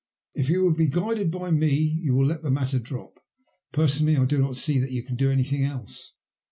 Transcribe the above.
If you will be guided by me, you will let the matter drop. Personally I do not see that you can do anything else.